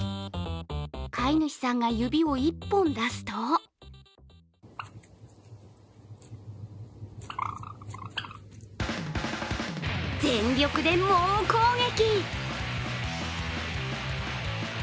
飼い主さんが指を１本出すと全力で猛攻撃。